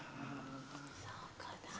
そうかなぁ。